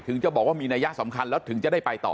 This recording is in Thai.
จะบอกว่ามีนัยสำคัญแล้วถึงจะได้ไปต่อ